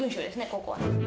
ここは。